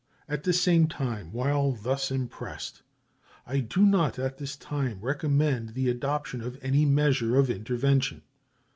At the same time, while thus impressed I do not at this time recommend the adoption of any measure of intervention.